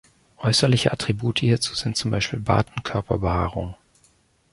Äußerliche Attribute hierzu sind zum Beispiel Bart und Körperbehaarung.